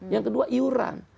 yang kedua iuran